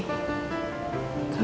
cepet pulih ya